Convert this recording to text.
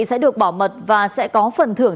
sẽ được bảo mật và sẽ có phần thưởng